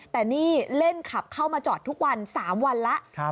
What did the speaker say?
แต่นี่เล่นขับเข้ามาจอดทุกวัน๓วันแล้ว